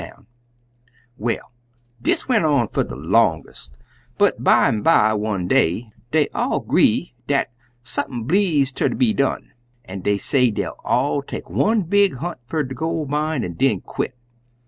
"Well, dis went on fer de longest, but bimeby, one day, dey all 'gree dat sump'n bleeze ter be done, an' dey say dey'll all take one big hunt fer de gol' mine, an' den quit.